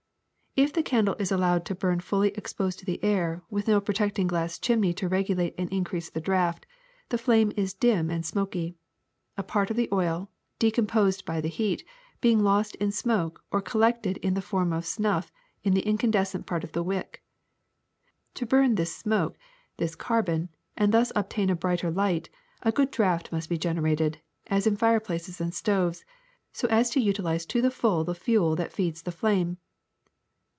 ^'If the candle is allowed to burn fully exposed to the air, with no protecting glass chimney to regulate and increase the draft, the flame is dim and smoky, a part of the oil, decomposed by the heat, being lost in smoke or collecting in the form of snuff on the in candescent part of the mck. To bum this smoke, this carbon, and thus obtain a brighter light, a good draft must be generated, as in fireplaces and stoves, so as to utilize to the full the fuel that feeds the flame.